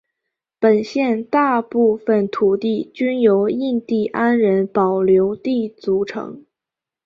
本县大部份土地均由印第安人保留地组成。